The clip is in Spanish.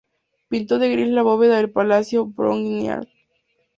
Pintó de gris la bóveda del Palacio Brongniart.